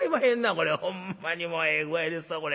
これほんまにもうええ具合ですわこれ。